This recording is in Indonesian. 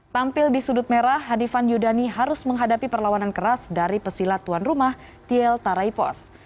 tampil di sudut merah hanifan yudani harus menghadapi perlawanan keras dari pesilat tuan rumah diel taraipos